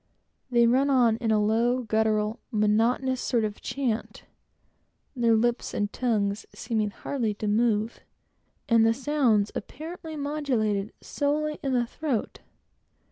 They run on, in a low, guttural, monotonous sort of chant, their lips and tongues seeming hardly to move, and the sounds modulated solely in the throat.